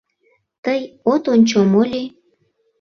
— Тый от ончо моли?